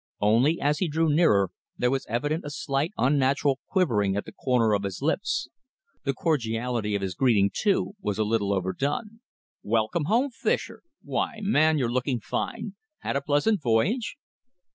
Only, as he drew nearer, there was evident a slight, unnatural quivering at the corner of his lips. The cordiality of his greeting, too, was a little overdone. "Welcome home, Fischer! Why, man, you're looking fine. Had a pleasant voyage?"